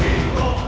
aku tidak berat